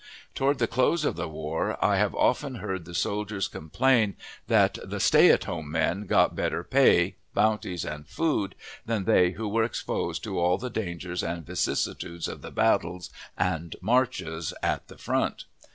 Toward the close of the war, I have often heard the soldiers complain that the "stay at home" men got better pay, bounties, and food, than they who were exposed to all the dangers and vicissitudes of the battles and marches at the front.